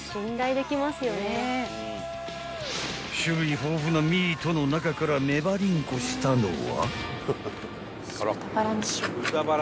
［種類豊富なミートの中から粘りんこしたのは］